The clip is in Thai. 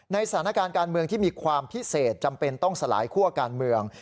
สถานการณ์การเมืองที่มีความพิเศษจำเป็นต้องสลายคั่วการเมือง